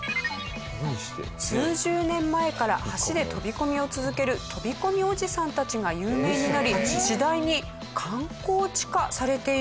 数十年前から橋で飛び込みを続ける飛び込みおじさんたちが有名になり次第に観光地化されているんだとか。